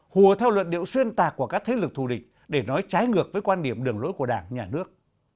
hùa theo luận điệu xuyên tạc của các thế lực thù địch để nói trái ngược với quan điểm đường lỗi của đảng nhà nước